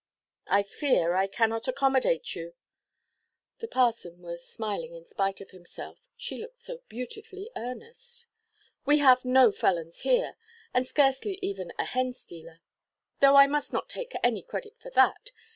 "I fear I cannot accommodate you"—the parson was smiling in spite of himself, she looked so beautifully earnest; "we have no felons here, and scarcely even a hen–stealer. Though I must not take any credit for that.